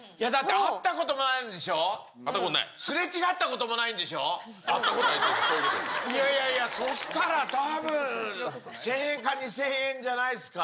会ったことないってそういういやいやいや、そしたらたぶん、１０００円か２０００円じゃないですか。